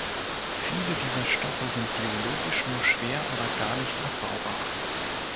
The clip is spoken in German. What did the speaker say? Viele dieser Stoffe sind biologisch nur schwer oder gar nicht abbaubar.